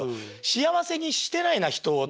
幸せにしてないな人をって。